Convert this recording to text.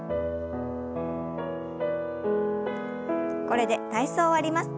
これで体操を終わります。